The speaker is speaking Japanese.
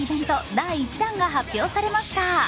第１弾が発表されました。